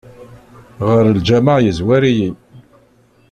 Ɣer lǧameɛ yezwar-iyi.